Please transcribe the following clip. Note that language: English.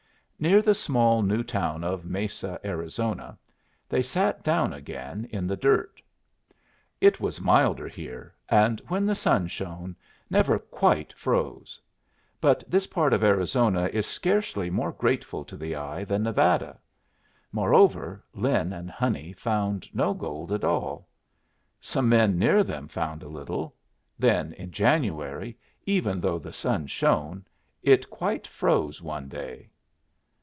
Near the small new town of Mesa, Arizona, they sat down again in the dirt. It was milder here, and, when the sun shone, never quite froze. But this part of Arizona is scarcely more grateful to the eye than Nevada. Moreover, Lin and Honey found no gold at all. Some men near them found a little. Then in January, even though the sun shone, it quite froze one day.